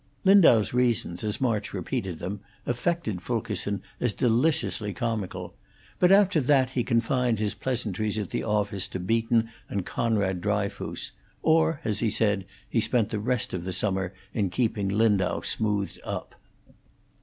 Lindau's reasons, as March repeated them, affected Fulkerson as deliciously comical; but after that he confined his pleasantries at the office to Beaton and Conrad Dryfoos, or, as he said, he spent the rest of the summer in keeping Lindau smoothed up.